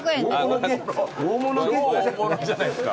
超大物じゃないすか。